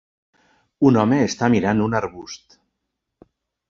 Un homes està mirant un arbust.